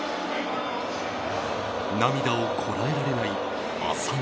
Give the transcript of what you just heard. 涙をこらえられない浅野。